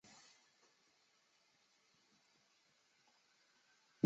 但后来奥尔康发现使用同步发生器能为游戏加入不同音调的音效。